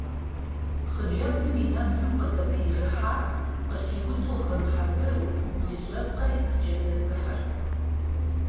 Хъыджэбзым и нэпсым къызэпижыхьат, къыщиуду гъын хьэзыру, и жьэпкъри пыкӀэзызыхьырт.